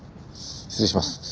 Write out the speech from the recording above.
失礼します。